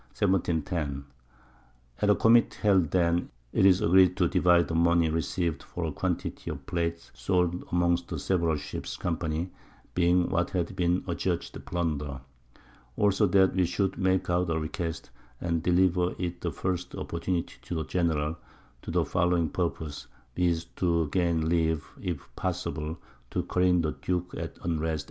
1710. _At a Committee held then, it it agreed to divide the Money received for a Quantity of Plate sold amongst the several Ships Company, being what had been adjudged Plunder. Also that we should make out a Request, and deliver it the first Opportunity to the General, to the following Purpose_, viz. to gain Leave, if possible, to careen the Duke at Unrest, &c.